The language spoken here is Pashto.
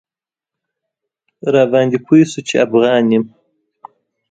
راباندې پوی شو چې افغان یم.